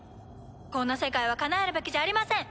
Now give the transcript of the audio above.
「こんな世界はかなえるべきじゃありません！」